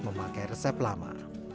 memakai resep lama